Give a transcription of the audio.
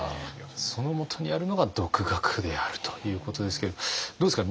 そのもとにあるのが独学であるということですけれどもどうですか？